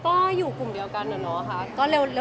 ก็อยู่กลุ่มเดียวกันอะเนาะ